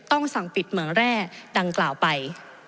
ต้องสั่งปิดเหมืองแร่ดังกล่าวไป